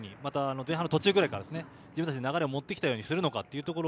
前半の途中ぐらいのように自分たちの流れに持っていくようにするのか。